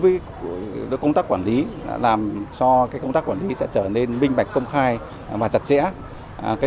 với công tác quản lý làm cho cái công tác quản lý sẽ trở nên minh bạch công khai và chặt chẽ cái